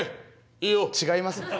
いいよ。違います。